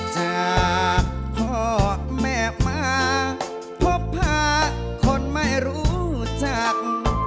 จากพ่อแม่มาพบพาคนไม่รู้จัก